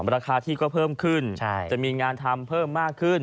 ราคาที่ก็เพิ่มขึ้นจะมีงานทำเพิ่มมากขึ้น